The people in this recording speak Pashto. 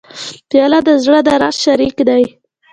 پیاله د زړه د راز شریک دی.